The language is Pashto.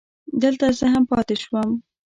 دلته زه هم پاتې شوم.